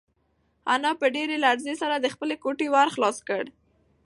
انا په ډېرې لړزې سره د خپلې کوټې ور خلاص کړ.